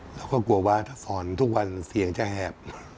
เราก็กลัวว่าถ้าสอนทุกวันเสียงจะแหบ